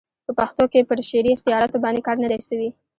په پښتو کښي پر شعري اختیاراتو باندي کار نه دئ سوى.